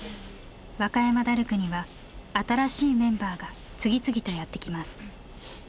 和歌山ダルクには新しいメンバーが次々とやって来ます。